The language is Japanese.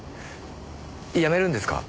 辞めるんですか？